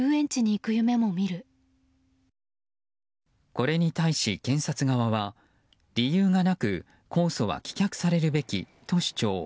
これに対し検察側は理由がなく控訴は棄却されるべきと主張。